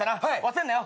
忘れんなよ。